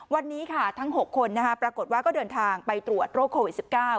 วันนี้ค่ะทั้ง๖คนปรากฏว่าก็เดินทางไปตรวจโรคโควิด๑๙